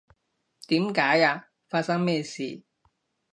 點解呀？發生咩事？